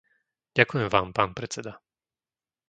Ďakujem Vám, pán predseda.